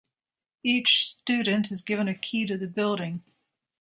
Each student is given a key to the building.